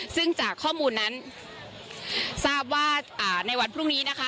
ซึ่งจากข้อมูลนั้นทราบว่าในวันพรุ่งนี้นะคะ